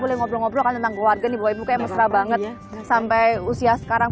boleh ngobrol ngobrol kan tentang keluarga nih bahwa ibu kayak mesra banget sampai usia sekarang